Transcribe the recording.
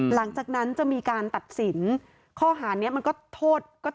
หลังจากนั้นจะมีการตัดสินข้อหานี้มันก็โทษก็